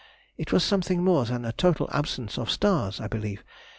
It was something more than a total absence of stars (I believe).